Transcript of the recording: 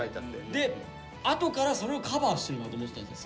であとからそれをカバーしてるのかと思ってたんです